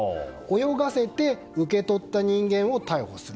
泳がせて受け取った人間を逮捕する。